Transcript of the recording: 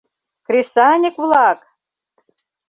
— Кресаньык-влак!